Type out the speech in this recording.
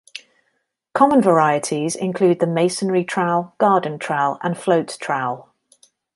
Common varieties include the masonry trowel, garden trowel, and float trowel.